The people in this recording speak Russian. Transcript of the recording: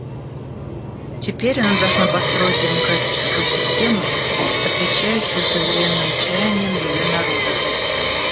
Теперь она должна построить демократическую систему, отвечающую суверенным чаяниям ее народа.